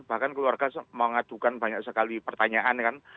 bahkan keluarga mengadukan banyak sekali pertanyaan kan